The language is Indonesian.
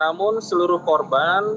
namun seluruh korban